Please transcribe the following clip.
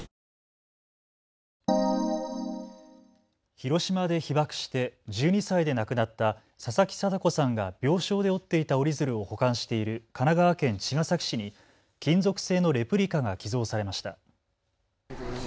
広島で被爆して１２歳で亡くなった佐々木禎子さんが病床で折っていた折り鶴を保管している神奈川県茅ヶ崎市に金属製のレプリカが寄贈されました。